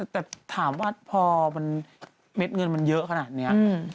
แต่ถามว่าพอเม็ดเงินมันเยอะขนาดนี้